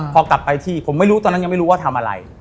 พอกลับไปที่ผมไม่รู้ตอนนั้นยังไม่รู้ว่าทำอะไร